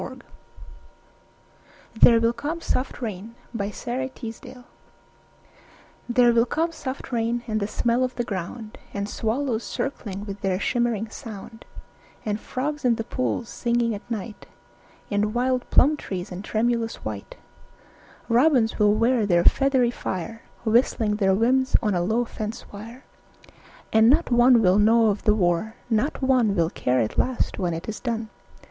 VIII "There Will Come Soft Rains" (War Time) There will come soft rains and the smell of the ground, And swallows circling with their shimmering sound; And frogs in the pools singing at night, And wild plum trees in tremulous white; Robins will wear their feathery fire Whistling their whims on a low fence wire; And not one will know of the war, not one Will care at last when it is done.